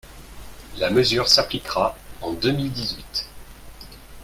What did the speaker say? La mesure s’appliquera en deux mille dix-huit